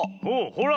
ほら。